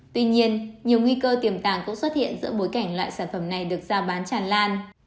tuy nhiên nhiều nguy cơ tiềm tàng cũng xuất hiện giữa bối cảnh loại sản phẩm này được giao bán tràn lan